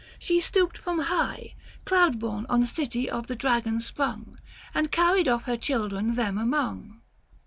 She stooped from high Cloudborne on city of the dragon sprung, And carried off her children them among.